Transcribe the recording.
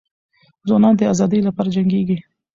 ځوانان د ازادۍ لپاره جنګیږي.